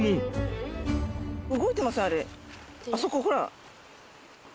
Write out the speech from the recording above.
あそこほら。